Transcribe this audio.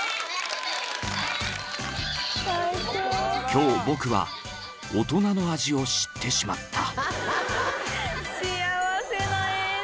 ［今日僕は大人の味を知ってしまった］